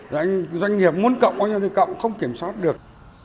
rồi anh doanh nghiệp muốn cộng anh cộng không kiểm soát được